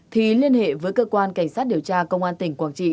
thì liên hệ với cơ quan cảnh sát điều tra công an tỉnh quảng trị